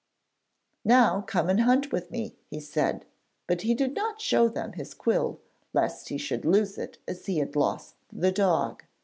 'Now come and hunt with me,' he said; but he did not show them his quill lest he should lose it as he had lost the dog.